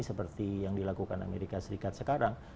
seperti yang dilakukan amerika serikat sekarang